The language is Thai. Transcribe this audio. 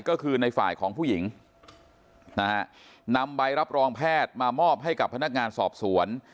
ก็คือในฝ่ายของผู้หญิงนะฮะนำใบรับรองแพทย์มามอบให้กับพนักงานสอบสวน